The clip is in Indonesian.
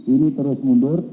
ini terus mundur